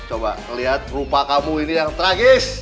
coba lihat rupa kamu ini yang tragis